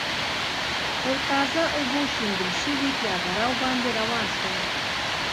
پر تازه اوبو شیندل شوي پېاده رو باندې روان شوم.